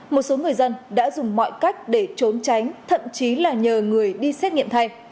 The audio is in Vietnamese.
một số người dân đã dùng mọi cách để trốn tránh thậm chí là nhờ người đi xét nghiệm thay